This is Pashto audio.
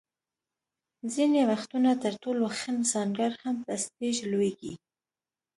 ځینې وختونه تر ټولو ښه نڅاګر هم په سټېج لویږي.